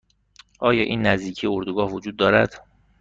آیا این نزدیکی اردوگاه وجود دارد؟